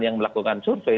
yang melakukan survei